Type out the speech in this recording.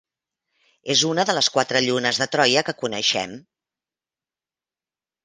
És una de les quatre llunes de Troia que coneixem.